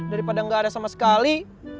daripada nggak ada sama sekali